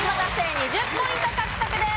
２０ポイント獲得です。